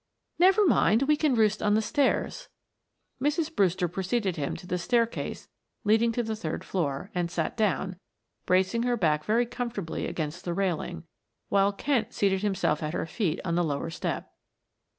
"Never mind, we can roost on the stairs," Mrs. Brewster preceded him to the staircase leading to the third floor, and sat down, bracing her back very comfortably against the railing, while Kent seated himself at her feet on the lower step.